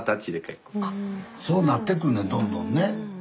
そうなってくんねんどんどんね。